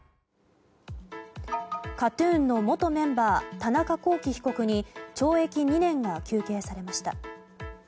ＫＡＴ‐ＴＵＮの元メンバー田中聖被告に懲役２年が求刑されました。